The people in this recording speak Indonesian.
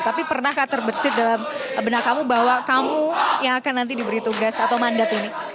tapi pernahkah terbersih dalam benak kamu bahwa kamu yang akan nanti diberi tugas atau mandat ini